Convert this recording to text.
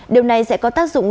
điều này sẽ có tác dụng